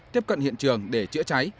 tiếp cận hiện trường để chữa cháy